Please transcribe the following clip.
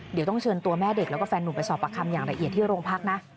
เดี๋ยวต้องเชิญตัวแม่เด็กแล้วก็แฟนหนุ่มไปสอบประคำอย่างละเอียดที่โรงพักนะ